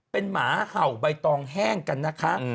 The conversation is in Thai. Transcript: เป็นหมาเห่าใบตองแห้งกันนะคะ